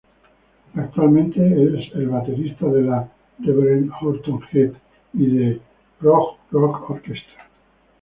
Actualmente, es el baterista de la Reverend Horton Heat y The Prog Rock Orchestra.